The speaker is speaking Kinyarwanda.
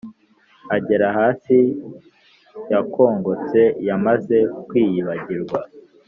Agera hasi yakongotse yamaze kwiyibagirwa